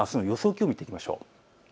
気温を見ていきましょう。